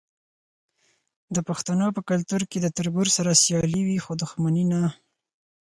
د پښتنو په کلتور کې د تربور سره سیالي وي خو دښمني نه.